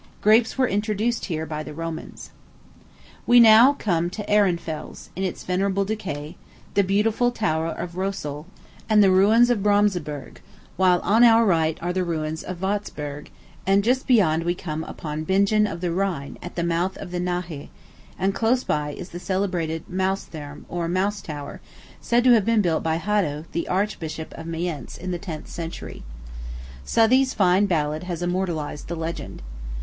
Grapes were introduced here by the Romans. We now came to Ehrenfels, in its venerable decay, the beautiful tower of Rosel, and the ruins of Bromseberg; while on our right are the ruins of Vautsberg, and just beyond we come upon "Bingen of the Rhine," at the mouth of the Nahe; and close by is the celebrated Mausetherm, or Mouse Tower, said to have been built by Hatto, the Archbishop of Mayence, in the tenth century. Southey's fine ballad has immortalized the legend.